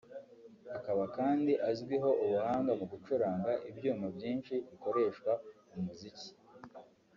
akaba kandi azwiho ubuhanga mu gucuranga ibyuma byinshi bikoreshwa mu muziki